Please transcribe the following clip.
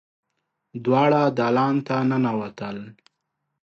دواړه دالان ته ننوتل.